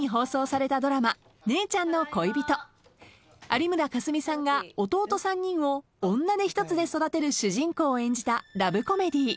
［有村架純さんが弟３人を女手一つで育てる主人公を演じたラブコメディー］